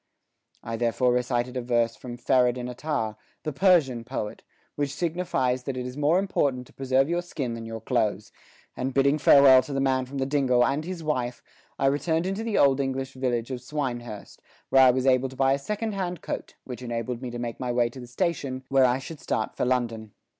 I therefore recited a verse from Ferideddin Atar, the Persian poet, which signifies that it is more important to preserve your skin than your clothes, and bidding farewell to the man from the dingle and his wife I returned into the old English village of Swinehurst, where I was able to buy a second hand coat, which enabled me to make my way to the station, where I should start for London.